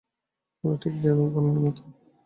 আমরা ঠিক যেন বানরের মত।